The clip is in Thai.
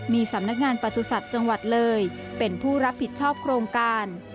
มีสำนักงานประสุทธิ์จังหวัดเลยเป็นผู้รับผิดชอบโครงการ